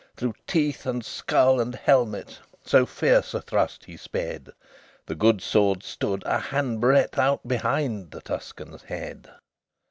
Through teeth, and skull, and helmet So fierce a thrust he sped, The good sword stood a hand breadth out Behind the Tuscan's head.